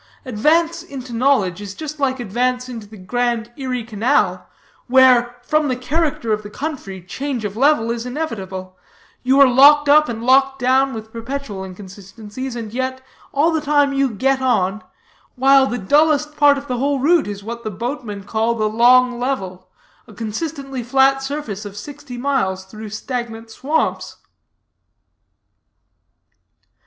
Advance into knowledge is just like advance upon the grand Erie canal, where, from the character of the country, change of level is inevitable; you are locked up and locked down with perpetual inconsistencies, and yet all the time you get on; while the dullest part of the whole route is what the boatmen call the 'long level' a consistently flat surface of sixty miles through stagnant swamps."